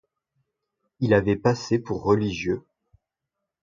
Il avait passé pour religieux.